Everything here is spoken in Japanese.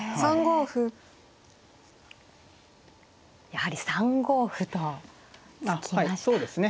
やはり３五歩と突きました。